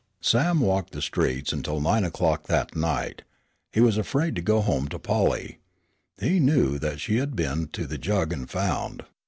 Sam walked the streets until nine o'clock that night. He was afraid to go home to Polly. He knew that she had been to the jug and found